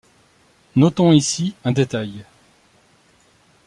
Notons ici un détail.